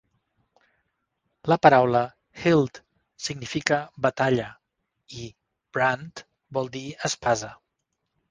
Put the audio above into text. La paraula "hild" significa "batalla" i "brand" vol dir "espasa".